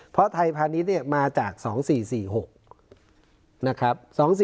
เพราะไทยพาณิชย์มาจาก๒๔๔๖นะครับ